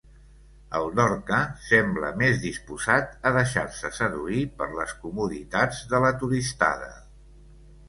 El Dorca sembla més disposat a deixar-se seduir per les comoditats de la turistada.